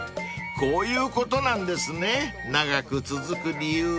［こういうことなんですね長く続く理由は］